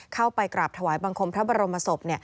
เข้าไปกราบถวายบังคมพระบรมศพ